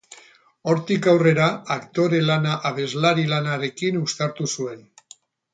Hortik aurrera aktore lana abeslari lanarekin uztartu zuen.